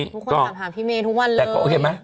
ทุกคนถามพี่เมย์ทุกวันเลย